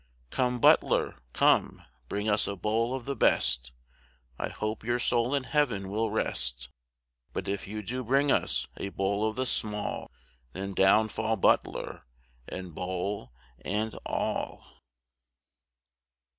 Come, butler, come, bring us a bowl of the best; I hope your souls in heaven will rest; But if you do bring us a bowl of the small, Then, down fall butler, and bowl and all.